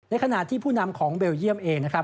ขณะที่ผู้นำของเบลเยี่ยมเองนะครับ